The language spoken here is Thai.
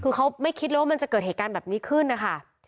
คือเขาไม่คิดเลยว่ามันจะเกิดเหตุการณ์แบบนี้ขึ้นนะคะ